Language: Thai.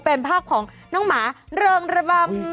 เป็นภาพของน้องหมาเริงระบำ